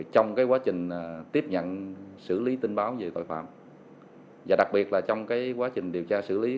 trong quá trình tiếp nhận sự liên lạc chúng tôi sẽ làm hết trách nhiệm trong quá trình tiên triền giáo dục khắp lực đến nhân dân